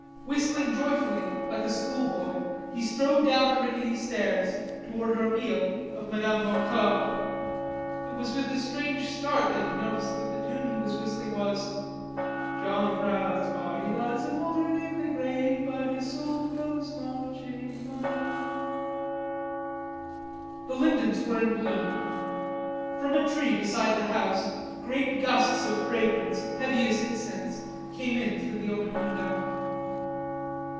Whistling joyfully, like a schoolboy, he strode down the rickety stairs to order a meal of Madame Boncour. It was with a strange start that he noticed that the tune he was whistling was: "John Brown's body lies a mouldering in the grave, But his soul goes marching on." The lindens were in bloom. From a tree beside the house great gusts of fragrance, heavy as incense, came in through the open window.